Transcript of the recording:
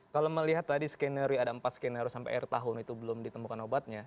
kalau melihat tadi skenario ada empat skenario sampai akhir tahun itu belum ditemukan obatnya